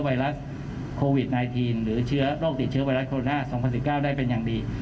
ไวรัสโควิด๑๙หรือเชื้อโรคติดเชื้อไวรัสโคโรนา๒๐๑๙ได้เป็นอย่างดี